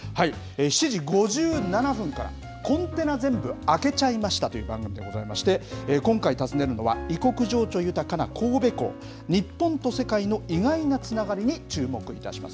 ７時５７分から、コンテナ全部開けちゃいました！という番組でございまして、今回、訪ねるのは、異国情緒豊かな神戸港、日本と世界の意外なつながりに注目いたします。